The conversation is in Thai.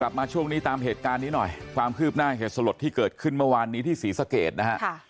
มาช่วงนี้ตามเหตุการณ์นี้หน่อยความคืบหน้าเหตุสลดที่เกิดขึ้นเมื่อวานนี้ที่ศรีสะเกดนะฮะ